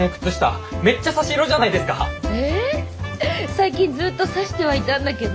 最近ずっと差してはいたんだけど。